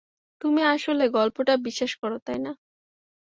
তুমি আসলে গল্পটা বিশ্বাস করো না, তাই না?